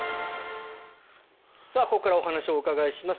ここからお話をお伺いします。